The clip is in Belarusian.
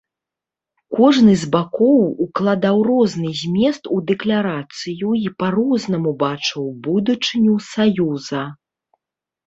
Кожны з бакоў укладаў розны змест у дэкларацыю і па-рознаму бачыў будучыню саюза.